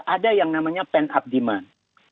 ada yang namanya pen up demand